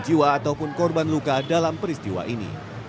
tidak ada jiwa ataupun korban luka dalam peristiwa ini